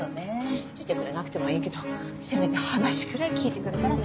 信じてくれなくてもいいけどせめて話くらい聞いてくれたらね。